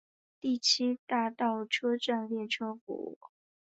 第七大道车站列车服务。